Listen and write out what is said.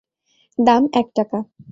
দাম এক টাকা।